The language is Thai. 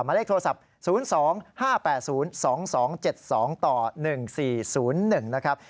หมายเลขโทรศัพท์๐๒๕๘๐๒๒๗๒ต่อ๑๔๐๑นะครับ